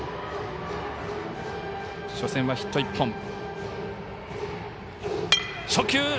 初戦はヒット１本。